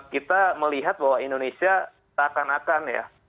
kita melihat bahwa indonesia tak akan akan ya